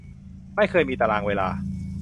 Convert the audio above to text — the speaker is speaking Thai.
ไม่เคยมีตารางเวลา